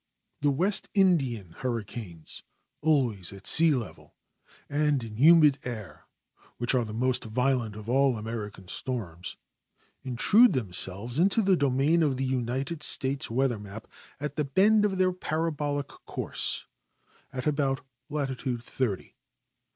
The West Indian hurricanes, always at .'<ea level and in humid air, which are the most violent of all American storms, intrude themselves into the domain of the United States weather map at 302 UNITED ST A TES DA IL Y A TMOSPHERIC S UR VE Y the bend of their parabolic course, at about latitude thirty.